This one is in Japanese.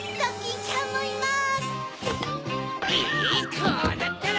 こうなったら！